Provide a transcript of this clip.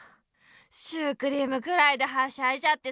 シュークリームくらいではしゃいじゃってさ。